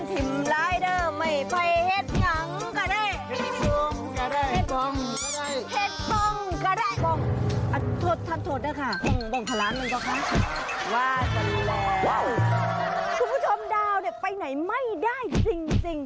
คุณผู้ชมดาวเนี่ยไปไหนไม่ได้จริง